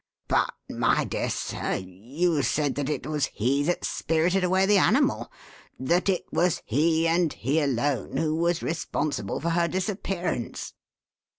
"But, my dear sir, you said that it was he that spirited away the animal; that it was he and he alone who was responsible for her disappearance."